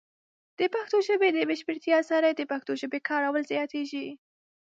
د پښتو ژبې د بشپړتیا سره، د پښتو ژبې کارول زیاتېږي.